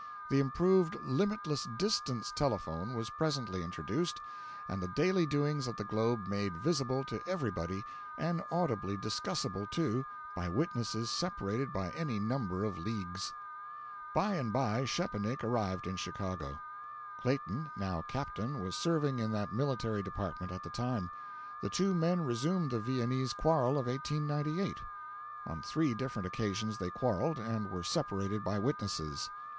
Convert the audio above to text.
The improved 'limitless distance' telephone was presently introduced, and the daily doings of the globe made visible to everybody, and audibly discussible, too, by witnesses separated by any number of leagues. By and by Szczepanik arrived in Chicago. Clayton (now captain) was serving in that military department at the time. The two men resumed the Viennese quarrel of 1898. On three different occasions they quarrelled, and were separated by witnesses.